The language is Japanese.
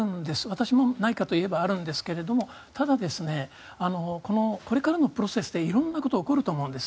私もないかと言えばあるんですがただ、これからのプロセスで色んなことが起こると思うんです。